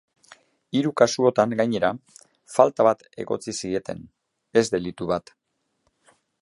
Hiru kasuotan, gainera, falta bat egotzi zieten, ez delitu bat.